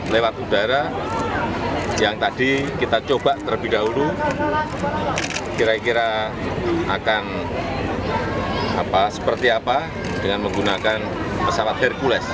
lewat udara yang tadi kita coba terlebih dahulu kira kira akan seperti apa dengan menggunakan pesawat hercules